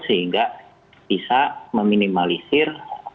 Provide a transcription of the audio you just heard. sehingga bisa meminimalisir